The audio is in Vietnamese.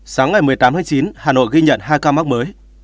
sáng ngày một mươi tám tháng chín hà nội ghi nhận hai ca mắc mới